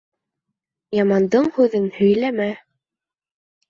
Ямандың һүҙен һөйләмә